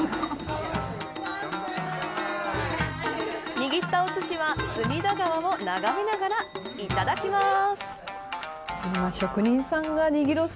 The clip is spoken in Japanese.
握ったおすしは隅田川を眺めながらいただきます。